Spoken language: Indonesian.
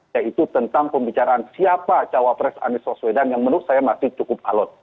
yaitu tentang pembicaraan siapa cawapres anies waswedan yang menurut saya masih cukup alot